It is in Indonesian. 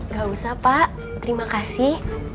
gak usah pak terima kasih